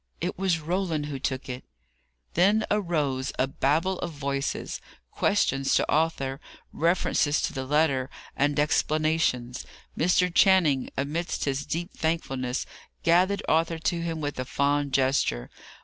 "It was Roland who took it!" Then arose a Babel of voices: questions to Arthur, references to the letter, and explanations. Mr. Channing, amidst his deep thankfulness, gathered Arthur to him with a fond gesture.